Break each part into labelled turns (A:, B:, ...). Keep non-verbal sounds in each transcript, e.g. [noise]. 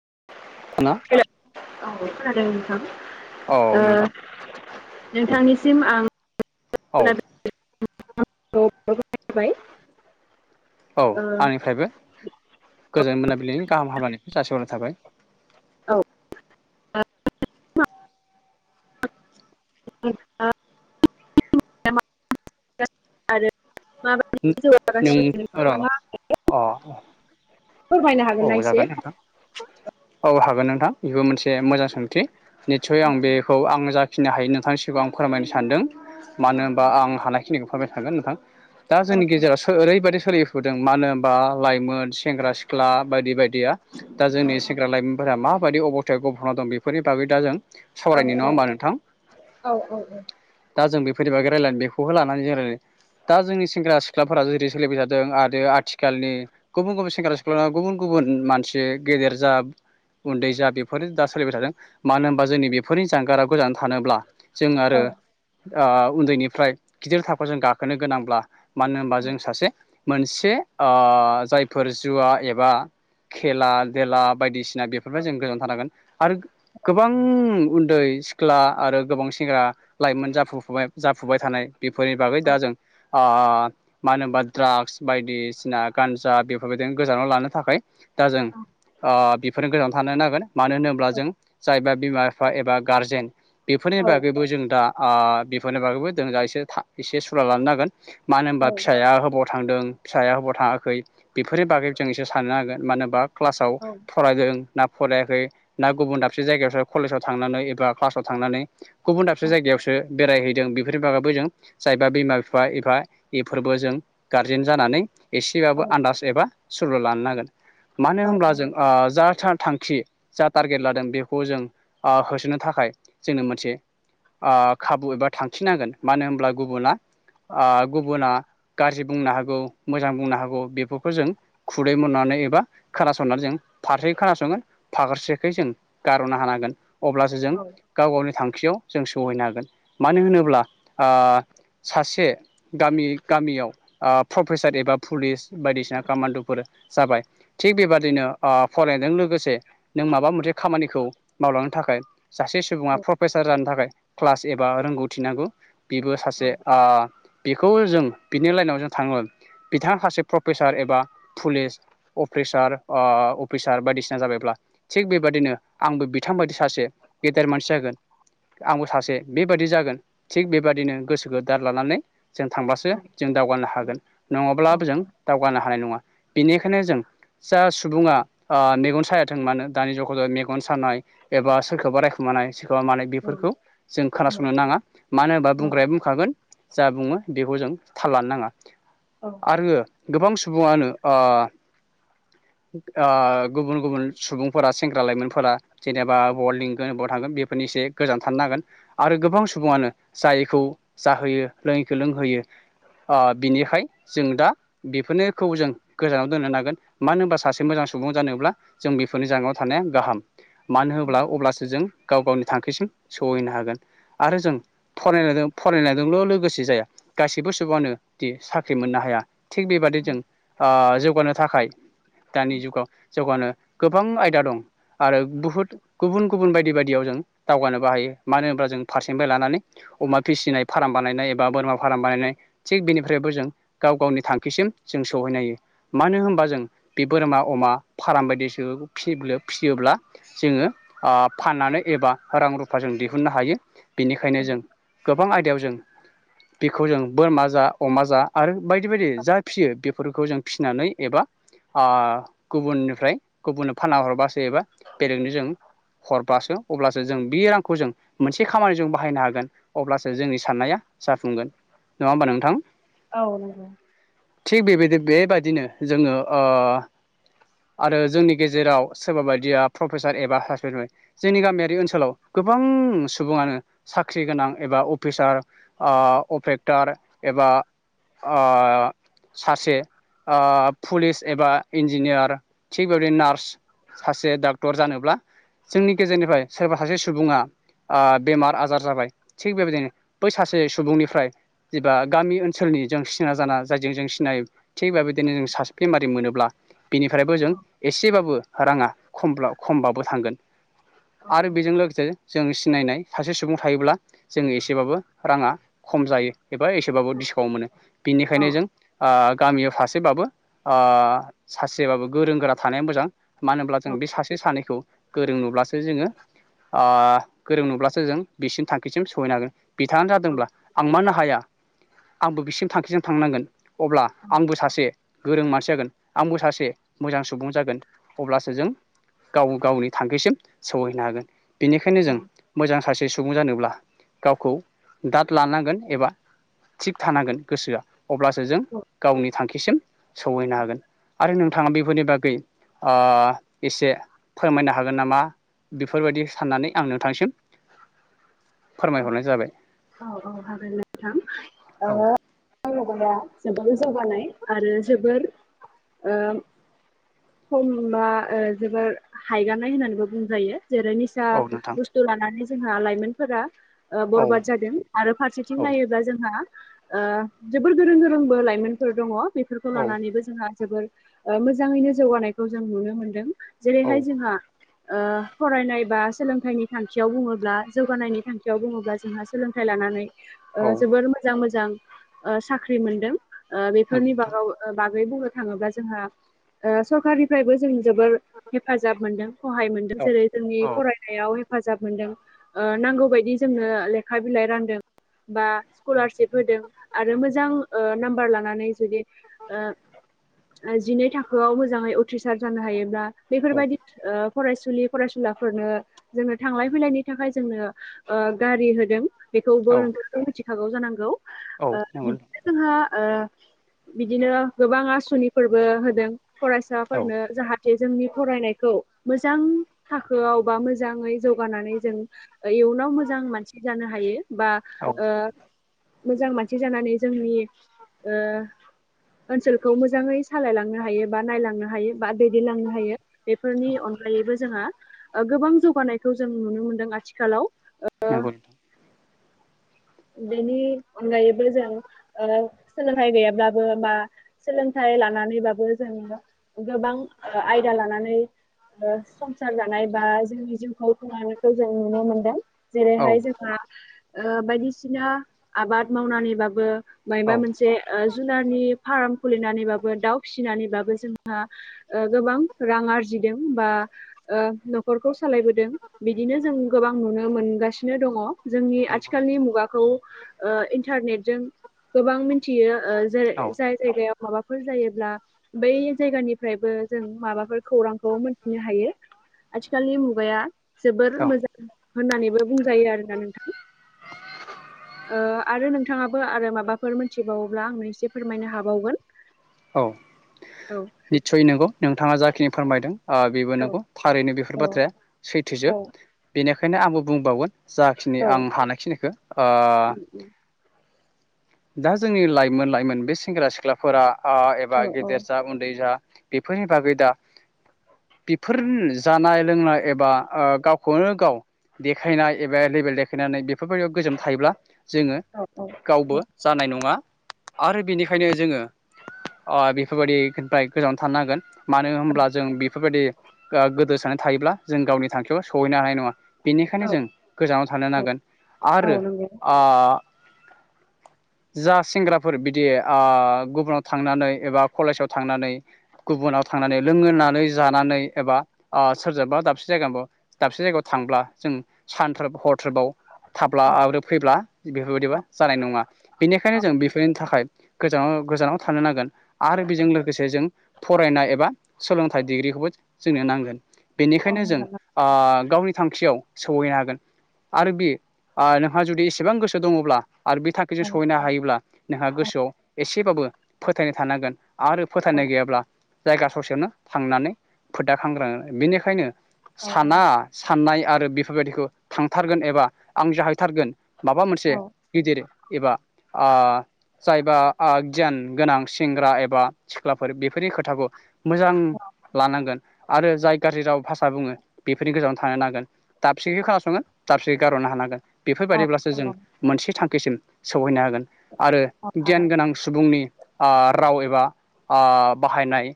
A: हेल'
B: ना
A: औ खोनादों नोंथां। ओ
B: औ नोंथां
A: नोंथांनिसिम आं
B: औ
A: मोनाबिलिनि गाहाम हामलायनायखौ नोंथांनिसिम जासिहरबाय।
B: औ आंनिफ्रायबो गोजोन मोनाबिलनि गाहाम हामलायनायखौ जासिहरनाय थाबाय।
A: औ। [unintelligible] आरो माबायदि
B: नों
A: जौगागासिनो
B: र'
A: नोंथाङा
B: अ
A: फोरमायनो
B: औ
A: हागोन ना एसे?
B: जागोन नोथां औ हागोन। नोंथां बेबो मोनसे मोजां सोंथि निसय आं बेखौ आं जाखिनो हायो नोंथांनि सिगांआव फोरमायनो सानदों मानो होनबा आं हानायखिनिखौ फोरमायखागोन नोंथां। दा
A: औ
B: जोंनि गेजेरावसो ओरैबायदि सोलिफुदों मानो होनबा लाइमोन सेंग्रा- सि ख्ला बायदि बायदिया दा जोंनि सेंग्रा लाइमोनफोरा माबायदि अब'स्थायाव गब'ना दं बेफोरनि बागै दा जों
A: औ
B: सावरायनि नङा होमबा नोंथां?
A: औ औ
B: दा जों बे बेफोरनि बागै रायज्लायगोन बेखौबो लानानै जों रायज्लाय दा जोंनि सेंग्रा सिख्लाफोरा जेरै सोलिबाय थादों आरो आथिखालनि गुबुन गुबुन सेंग्रा सिख्ला सिख्ला ना गुबुन गुबुन मानसि गेदेर जा उन्दै जा बेफोर दा सोलिबाय थादों मानो होनबा जोंनि बेफोरनि जानगाराव गोजान थानोब्ला जों आरो
A: औ
B: ओ उन्दैनिफ्राय गिदिर थाखोआव जों गाखोनो गोनांब्ला मानो होनबा जों सासे मोनसे ओ जायफोर जुवा एबा खेला देला बायदिसिना बेफोरनिफ्राय जों गोजानाव थानांगोन। आरो गोबां उन्दै सिख्ला आरो गोबां सेंग्रा लाइमोन जाफु फुबाय जाफुबाय थानाय बेफोरनि बागै दा जों ओ मानो होनबा दड्राग्स बायदिसिना गान्जा बेफोरनिफ्राय गोजानाव लानो थाखाय दा जों ओ बेफोरनो गोजानाव थानो नांगोन। मानो होनोब्ला जों जायबा बिमा-बिफा एबा गारजेन बेफोरनि बागैबो जों दा बेफोरनि बागैबो जों दा एसे एसे सुला' लानो नांगोन मानो
A: नंगौ औ
B: होनबा
A: औ औ
B: फिसाया ओबाव थांदों फिसाया ओबाव थाङाखै बेफोरनि बागै जों एसे साननो हागोन मानो होनबा क्लासाव
A: औ
B: फरायदों ना फरायाखै ना गुबुन दाबसे जायगायावसो कलेजाव थांनानै एबा क्लासाव थांनानै गुबुन दाबसे जायगायावसो बेरायहैदों बेफोरनि बागैबो जों जायबा बिमा बिफा एबा बेफोरबो जों गारजेन जानानै एसेबाबो आन्दाज एबा सुल' लानो नांगोन मानो होनोमब्ला जों ओ जा थांखि जा टारगेट लादों बेखौ जों ओ होसोनो थाखाय जोंनो मोनसे ओ खाबु एबा थांखिनांगोन मानो होनब्ला गुबुना ओ गुबुना गाज्रि बुंनो हागौ मोजां बुंनो हागौ बे बेफोरखौ जों खुदै मोन'नानै एबा खोनासंनानै जों फारसे खोनासंगोन फारसेखै जों गारहरनो हानांगोन अब्लासो जों गाव गावनि थां थांखाखियाव जों सहैनो हागोन मानो होनोब्ला ओ सासे गामि गामियाव ओ प्रफेसार एबा पुलिस बायदिसिना कामान्डुफोर जाबाय थिग बेबादिनो ओ फरायनायजों लोगोसे नों माबा मोनसे खामानिखौ मावलांनो थाखाय सासे सुबुङा प्रफेसार जानो थाखाय क्लास एबा रोंगौथि नांगौ बेबो
A: औ
B: सासे ओ बेखौ जों बिनि लाइनाव जों थाङो बिथाङा सासे प्रफेसार एबा पुलिस अफिसार अफिसार बायदिसिना जाबायब्ला थि बेबाय बायदिनो आंबो बिथांबायदि सासे गेदेर मानसि जागोन आंबो सासे बेबादि जागोन थिग बेबादिनो गोसोखौ दात लानानै जों थांबासो जों दावगानो हागोन नङाब्लाबो जों दावगानो हानाय नङा बेनिखायनो जों जा सुबुङा ओ मेगन सायाथों मानो दानि जुगाव मेगन सानाय एबा सोरखौबा रायखुमानाय सोरखौबा मानाय बेफोरखौ जों खोनासंनो नाङा मानो होनबा बुंग्राया बुंखा खागोन जा बुङो बेखौ जों थाल लानो नाङा आरो गोबां सुबुंआनो ओ
A: [inaudible]
B: आ गुबुन गुबुन सुबुंफोरा सेंग्रा लाइमोनफोरा जेनेबा ब लिंगोन बाव थांगोन बेफोरनि एसे गोजान थानो नांगोन आरो गोबां सुबुंआनो जाय खौ जाहोयो लोंङैखो लोंहोयो आ बिनिखाय जों दा बेफोरनोखौ जों गोजानाव दोननो नागोन मानो होनबा सासे मोजां सुबुं जानोब्ला जों बेफोरनि जानगाराव थानाया गाहाम। मानो होनोब्ला अब्लासो जों गाव गावनि थांखिसिम सौहैनो हागोन आरो जों फरायनायदो फरायनायजोंल' लोगोसे जाया गासैबो सुबुङानो दि साख्रि मोननो हाया। थिग बेबादि जों, आ जौगानो थाखाय दानि जुगाव जौगानो गोबां आयदा दं आरो बहुद गुबुन गुबुन बायदि बायदियाव ज दावगानो बो हायो मानो होनबा जों लानानै अमा फिसिनाय फार्म बानायनाय एबा बोरमा फार्म बा थिग बेनिफ्रायबो जों गाव गावनि थां खिसिम जों सहैनो हायो मानो होनबा जों बि बोरमा अमा फाराम बायदिसि। [unintelligible] फिसियोब्ला जोङो आ फाननानै एबा। रां-रुफा जों दिहुननो हायो बिनिखायनो जों गोबां आयदायाव जों- बिखौ जों बोरमा, जा अमा, जा आरो बायदि बायदि। जा फिसियो बेफोरखौ जों फिसिनानै एबा आ गुबुननिफ्राय गुबुननो फानना हरबासो एबा बेलेगनो जों। हरबासो अब्लासो जों बे रांखौ जों मोनसे खामानिजों बाहायनो हागोन अब्लासो जोंनि साननाया जाफुंगोन नङाओमबा नोंथां?
A: औ नंगौ।
B: थिग बेबायदि बेबायादिनो जोंङो ओ। आरो जोंनि गेजेराव सोरबा बायदिया प्रफेसार एबा जोंनि गामियारि ओनसोलाव गोबां सुबुङानो साख्रि गोनां एबा अफिसार आ अपेक्टर एबा बा आ सासे। आ पुलिस एबा इन्जिनियार थिग बेबायदि नार्स। सासे डाक्टर जानोब्ला जोंनि गेजेरनिफ्राय सोरबा सासे सुबुङा। आ बेमार आजार जाबाय थिग बेबायदिनो बै सासे सुबुंनिफ्राय। गामि ओनसोलनि जों सिना जाना जायजों जों सिनाय थिग बेबायदिनो जों मोनोब्ला बिनिफ्रायबो जों एसेबाबो राङा खमब्ला खम खमबाबो थांगोन आरो बेजों लोगोसे जों सिनायनाय सासे सुबुं थायोब्ला जोङो एसेबाबो राङा खम जायो। एबा एसेबाबो डिसकाउन्ट मोनो बेनिखायनो जों आ गामियाव सासेबाबो आ सासेबाबो गोरों गोरा थानाया मोजां। मानो होनोमब्ला जों बे सासे सानैखौ गोरों नुब्लासो जोङो आ, गोरों नुब्लासो जों बिसिम थाखोसिम सहैनो हागोन। बिथांङानो जादोंब्ला आं मानो हाया आंबो बिसिम थांखिजों थांनांगोन। अब्ला आंबो सासे गोरों मानसि जागोन आंबो सासे मोजां सुबुं जागोन अब्लासो जों गाव गावनि थांखिसिम सौहैनो हागोन बेनिखायनो
A: औ
B: जों मोजां सासे सु सुबुं जानोब्ला गावखौ दाद लानांगोन एबा थिग थानांगोन गोसोआ अब्लासो ओ जों
A: औ
B: गावनि थांखिसिम सहैनो हागोन आरो नोंथाङा बेफोरनि बागै आ एसे फोरमायनो हागोन नामा? बेफोरबायदि साननानै आं नोंथांसिम फोरमायहरनाय जाबाय
A: औ औ औ हागोन नोंथां
B: औ
A: ओ गोबां जौगानाय आरो जोबोर ओ खमा जोबोर हायगानाय होननानैबो बुंजायो। जेरै निसा
B: औ नोंथां
A: बुस्थु लानानै जोंहा लाइमोनफोरा ओ
B: औ
A: बरबाद जादों आरो फारसेथिं
B: औ
A: नायोब्ला जोंहा ओ जोबोर गोरों गोरोंबो लाइमोनफोर दंङ बेफोरखौ
B: औ
A: लानानैबो जोंहा जोबोर ओ मोजांङैनो जौगानायखौ जों नुनो मोनदों
B: औ
A: जेरैहाय जोंहा ओ फरायनाय बा सोलोंथाइनि थांखियाव बुंङोब्ला जौगानायनि थांखि बेयाव बुंङोब्ला जोंहा सोलोंथाइ लानानै
B: औ
A: ओ जोबोर मोजां मोजां ओ साख्रि मोनदों ओ बेफोरनि बागाव ओ बाग बेै बुंनो थांङोब्ला जोंहा ओ सरखारनिफ्रायबो जों जोबोर हेफाजाब मोनदों। सहाय मोनदों जेरै जोंनि
B: औ
A: फरायनायाव हेफाजाब मोनदों ओ नांगौ बायदि जोंनो लेखा बिलाइ रानदों। बा स्कलारशिप होदों आरो मोजां ओ नाम्बार लानानै जुदि ओ जिनै थाखोआव मोजाङै उथ्रिसार जानो हायोब्ला
B: औ
A: बेफोरबायदि ओ फरायसुलि फरायसुलाफोरनो जोंङो थांलाय फैलायनि थाखाय जोंनो ओ गारि होदों बेखौबो नोंथांङा मिथिखागौ जानांगौ ओ बिदिनो जोंहा ओ बिदिनो गोबां आसनिफोरबो होदों फरायसाफोरनो जाहाथ जे जोंनि फरायनायखौ मोजां थाखोआव बा मोजांङै जौगानानै जों इउन इउनाव मोजां मानसि जानो हायो बा
B: औ
A: ओ मोजां मानसि जानानै जोंनि ओ ओनसोलखौ मोजांङै सालायलांनो हायो बा नायलांनो हायो बा दैदेनलांनो हायो बेफोरनि अनगायैबो जोंहा बा ओ गोबां जौगानायखौ जों नुनो मोनदों आथिखालाव
B: नोंगौ नोंथां।
A: बेनि अनगायैबो जों ओ सोलोंथाइ गैयाब्लाबो बा सोलोंथाइ लानानैबाबो जों गोबां आयदा लानानै ओ संसार जानाय बा जोंनि जिउखौ खौ जों नुनो मोनदों
B: औ नंगौ औ
A: जेरैहाय जोंहा ओ बायदिसिना आबाद मावनानैबाबो मायबा
B: औ
A: मोनसे ओ जुनारनि फार्म खुलिनानैबाबो दाउ फिसिनानैबाबो जोंहा ओ गोबां रां आरजि [unintelligible] ओ नखरखौ सालायबोदों बा बिदिनो जों गोबां नुनो मोन थांगासिनो दंङ जोंनि
B: नंगौ
A: आथिखालनि मुगाखौ ओ इन्टारनेट जों गोबां मिथियो ओ जेरै
B: औ
A: जाय जायगायाव माबाफोर जायोब्ला बै जायगानिफ्रायबो जों माबाफोर खौरांखौ मोनथिनो हायो। आथिखालनि मुगाया जोबोर
B: औ
A: मोजां होननानैबो बुंजायो आरोना नोंथां ओ आरो नोंथांङाबो आरो माबाफोर मोनथिबावोब्ला आंनो एसे फोरमायनो हाबावगोन।
B: औ
A: औ
B: निसय नोंगौ नोंथांङा जाखिनि फोरमायदों ओ बेबो
A: औ
B: नंगौ थारैनो बेफोर
A: औ
B: बाथ्राया
A: औ
B: सैथोजोब बेनिखायनो आंबो बुंबावगोन जाखिनि
A: औ
B: आं हानायखिनिखो ओ दा जोंनि लाइमोन-लाइमोन बे सेंग्रा सिख्लाफोरा एबा ओ
A: औ औ
B: गेदेर जा उन्दै जा बेफोरनि बागै दा- बेफोर जानाय लोंनाय एबा ओ गावखौनो गाव- देखायनाय एबे लेबेल देखायनानै बेफोरबायदियाव गोजोम थायोब्ला जोंङो
A: औ
B: गावबो जानाय नंङा आरो बेनिखायनो जोंङो अ बेफोरबायदिफ्राय गोजानाव थानो हागोन मानो होनब्ला जों बेफोरबायदि गोदोसान थायोब्ला जों गावनि थांखियाव सहैनो हानाय नंङा।
A: औ
B: बेनिखायनो जों गोजानाव थानो नांगोन
A: औ
B: आरो
A: नंगौ
B: आ
A: [inaudible]
B: जा सेंग्राफोर बिदि आ गुबुनाव थांनानै एबा कलेजाव थांनानै गुबुनाव थांनानै लोंहोनानै जानानै एबा ओ सोरजोंबा दाबसे जायगाल दाबसे जायगायाव थांब्ला उं सानथ्रोब हरथ्रोबाव थाब्ला
A: औ
B: आरो फैब्ला बेफोरबायदिबा जानाय नंङा
A: औ
B: बेनिखायनो जों बेफोरनि थाखाय गोजानाव-गोजानाव थानो नांगोन आरो बेजों लोगोसे जों- फरायनाय एबा सोलोंथाइ डिग्रिखौबो जोंनो नांगोन बेनिखायनो जों
A: हागोन ना
B: गावनि थांखियाव सौहहैनो हागोन। आरो बे नोंहा जुदि एसेबां गोसो दङब्ला आरो बे बे जों
A: औ
B: सहैनो हायोब्ला नोंहा गोसोआव एसेबाबो फोथायनाय थानांगोन आरो
A: औ
B: फोथायनाय गैयाब्ला जायगा ससेयावनो थांनानै फोदाखांग्राङो बेनिखायनो
A: औ
B: साना साननाय आरो बेफोरबायदिखौ थांथारगोन एबा आं जाहैथारगोन माबा मोनसे
A: औ
B: गिदिर अ जायबा गियान गोनां सेंग्रा एबा सिख्लाफोर बेफोरनि खोथाखौ मोजां लानांगोन आरो जाय गाज्रि राव भाषा बुङो बेफोरनि गोजानावनो थानो नांगोन दाबसेखै खोनासङो दाबसेखै गारहरनो हानांगोन। बेफोरबायाददिब्लासो जों
A: हागोन
B: मोनसे थांखिसिम सौहैनो हागोन। आरो
A: औ औ
B: गियान गोनां सुबुंनि राव एबा बाहायनाय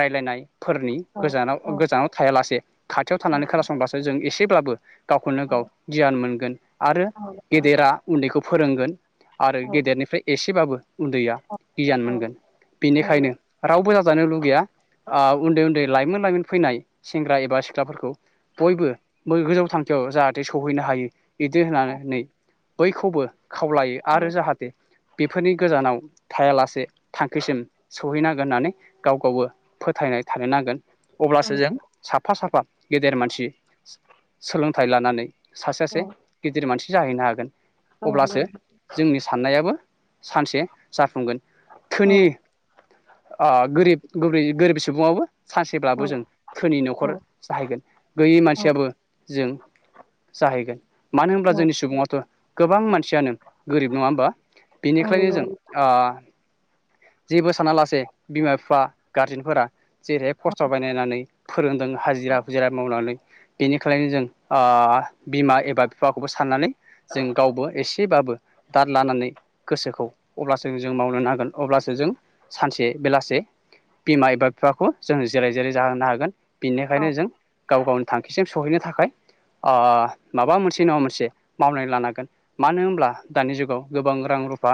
B: रायज्लायनायफोरनि
A: औ
B: गोजानाव
A: औ
B: गोजानाव थायालासे खाथियाव थानानै
A: औ
B: खोनासंब्लासो जों एसे ब्लाबो गावखौनो गाव गियान मोनगोन आरो गेदेरा उन्दैखौ फोरोंगोन आरो
A: औ औ
B: गेदेरनिफ्राय एसेबाबो उन्दैया गियान मोनगोन
A: हागोन औ औ
B: बेनिखायनो रावबो जानो लुगैया उन्दै उन्दै लाइमोन लाइमोन फैनाय सेंग्रा एबा सिख्लाफोरखौ बयबो गोजौ थांखि जाहाथे सौहैनो हायो। बिदि होननानैै बैखौबो खावलायो आरो जाहाथे बेफोरनि गोजानाव थायालासे थांखिसिम सौहैनांगोन होननानै गाव गावबो फोथायनाय थानो नांगोन अब्लासो जों
A: नंगौ
B: साफा साफा गेदेर मानसि सोलोंथाइ लानानै सासे
A: औ
B: सासे गिदिर मानसि जाहैनो हागोन
A: औ
B: अब्लासो जोंनि साननायाबो सानसे जाफुंगोन धोनि अह गोरिब गोरिब सुबुंआबो सानसेब्लाबो जों धोनि न'खर जाहैगोन गैयै मानसियाबो जों जाहैगोन मानो होनब्ला जोंनि सुबुङाथ' गोबां मानसियानो गोरिब नङा होमबा बेनिखायनो जों ओ जेबो साना लासे बिमा बिफा गारजेनफोरा जेरैहाय खस्थ' बानायनानै फोरोंदों हाजिरा हुजिरा मावनानै बेनिखायनो जों ओ बिमा एबा बिफाखौबो साननानै जों गावबो एसेबाबो दाद लानानै गोसोखौ अब्लासो जों मावनो नांगोन अब्लासो जों सानसे बेलासे बिमा एबा बिफाखौ जों जेरै जेरै जाहोनो हागोन बिनिखायनो जों गाव गावनि थांखिसिम सहैनो थाखाय माबा मोनसे नङा मोनसे मावनानै लानांगोन मानो होनब्ला दानि जुगाव गोबां रां रुफा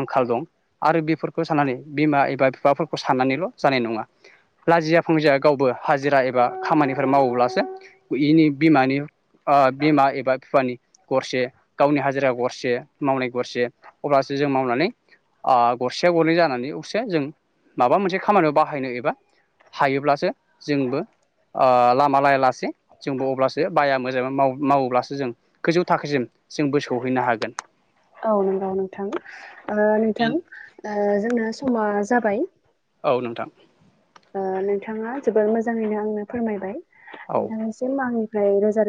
B: आंखाल दं आरो बेफोरखौ साननानै बिमा एबा बिफाफोरखौ साननानैल' जानाय नङा। लाजिया फुंजिया गावबो हाजिरा एबा खामानिफोर मावोब्लासो इनि बिमानि ओ बिमा एबा बिफानि गरसे गावनि हाजिरा गरसे मावनाय गरसे अब्लासो जों मावनानै ओ गरसेया गरनै जानानै गरसे जों माबा मोनसे खामानियाव बाहायनो एबा हायोब्लासो जोंबो ओ लामा लायालासे जोंबो अब्लासो बाया मोजाङै मावोब्लासो जों गोैजौ थाखोसिम जोंबो सौहैनो हागोन।
A: औ नंगौ नोंथां नोंथां जोंना समा जाबाय
B: औ नोंथां
A: ओ नोंथाङा जोबोद मोजाङैनो आंनो फोरमायबाय
B: औ
A: नोंथांनिसिम आंनिफ्राय रोजा रो